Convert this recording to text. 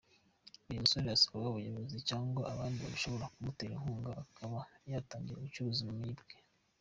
Uyu musore asaba ubuyobozi cyangwa abandi babishobora kumutera inkunga akaba yatangira gucuruza ubumenyi bwe.